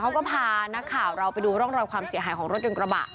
เขาก็พานักข่าวเราไปดูร่องรอยความเสียหายของรถยนต์กระบะ